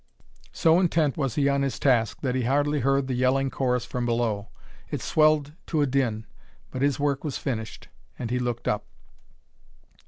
So intent was he on his task that he hardly heard the yelling chorus from below. It swelled to a din; but his work was finished, and he looked up.